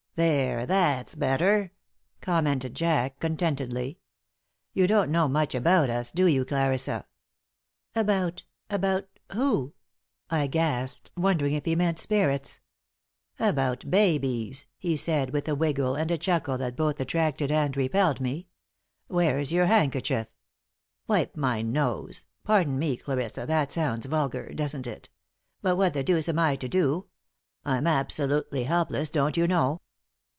"There, that's better," commented Jack, contentedly. "You don't know much about us, do you, Clarissa?" "About about who?" I gasped, wondering if he meant spirits. "About babies," he said, with a wiggle and a chuckle that both attracted and repelled me. "Where's your handkerchief? Wipe my nose pardon me, Clarissa, that sounds vulgar, doesn't it? But what the deuce am I to do? I'm absolutely helpless, don't you know?"